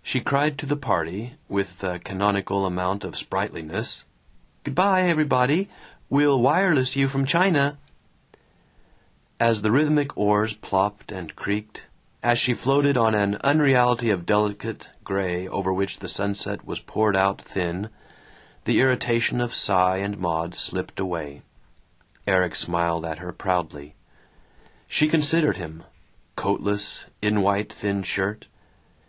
She cried to the party, with the canonical amount of sprightliness, "Good by, everybody. We'll wireless you from China." As the rhythmic oars plopped and creaked, as she floated on an unreality of delicate gray over which the sunset was poured out thin, the irritation of Cy and Maud slipped away. Erik smiled at her proudly. She considered him coatless, in white thin shirt.